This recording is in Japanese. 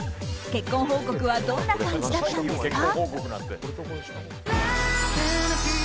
結婚報告はどんな感じだったんですか？